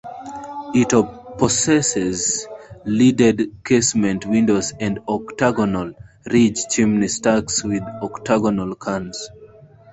It possesses leaded casement windows and octagonal ridge chimney stacks with octagonal cans.